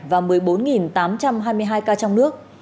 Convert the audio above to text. và một mươi bốn tám trăm hai mươi hai ca trong nước